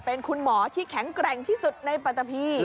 เป็นคุณหมอที่แข็งแกร่งที่สุดในปัตตาพี